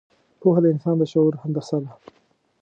پوهه د انسان د شعور هندسه ده.